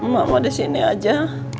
mama di sini aja